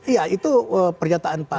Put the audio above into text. iya itu pernyataan tersebut